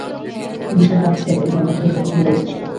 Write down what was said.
পুলিশের কাজ ছেড়ে ময়নাতদন্তের পিছনে লেগেছিস কেন?